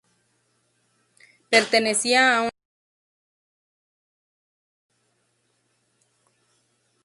Pertenecía a una familia adinerada.